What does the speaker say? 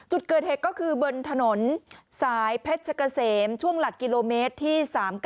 จุดเกิดเหตุก็คือบนถนนสายเพชรเกษมช่วงหลักกิโลเมตรที่๓๙